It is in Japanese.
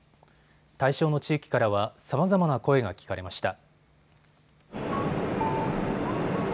対象の地域からはさまざまな声が聞かれました。